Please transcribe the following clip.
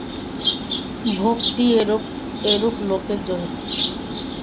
ভক্তি এরূপ লোকের জন্য নয়।